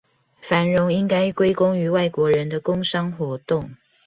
繁榮應該歸功於外國人的工商活動